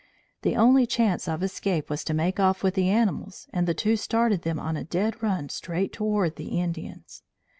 The only chance of escape was to make off with the animals and the two started them on a dead run straight toward the Indians.